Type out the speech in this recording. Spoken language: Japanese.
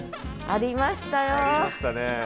ありましたね。